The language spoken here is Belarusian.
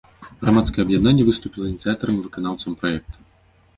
Грамадскае аб'яднанне выступіла ініцыятарам і выканаўцам праекта.